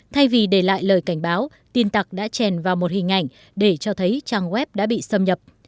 thay vì để lại lời cảnh báo tin tặc đã trèn vào một hình ảnh để cho thấy trang web đã bị xâm nhập